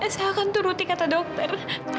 saya akan turuti kata dokter